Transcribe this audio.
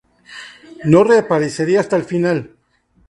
No reaparecería hasta la final.